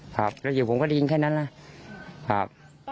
ครับแล้วอยู่ผมก็ได้ยินแค่นั้นนะครับ